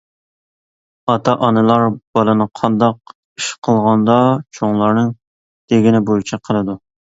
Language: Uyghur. ئاتا-ئانىلار بالىنى قانداق ئىش قىلغاندا چوڭلارنىڭ دېگىنى بويىچە قىلىدۇ.